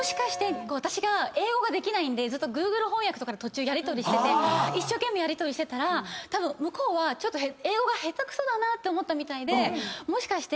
私が英語ができないんでＧｏｏｇｌｅ翻訳とかでやりとりしてて一生懸命やりとりしてたら向こうは英語が下手くそだなって思ったみたいで。